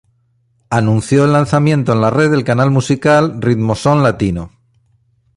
Anunció el lanzamiento en la red del canal musical Ritmoson Latino.